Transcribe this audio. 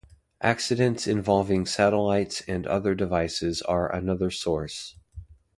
Accidents involving satellites and other devices are another source.